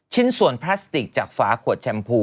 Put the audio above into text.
ชิ้นส่วนพลาสติกจากฝาขวดแชมพู